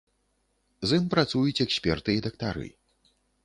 З ім працуюць эксперты і дактары.